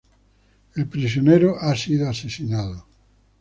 El prisionero ha sido asesinado.